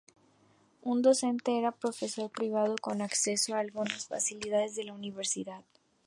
Un "docente" era un profesor privado con acceso a algunas facilidades de la universidad.